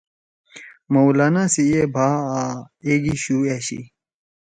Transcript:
مولانا سی اے بھا آں ایگی شُو أشی۔